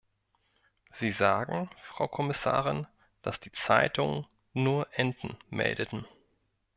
Sie sagen, Frau Kommissarin, dass die Zeitungen nur Enten meldeten.